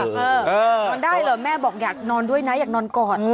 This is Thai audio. นอนได้เหรอแม่บอกอยากนอนด้วยนะอยากนอนกอด